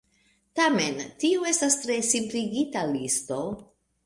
Tamen, tio estas tre simpligita listo.